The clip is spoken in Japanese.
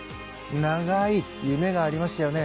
長い夢がありましたよね。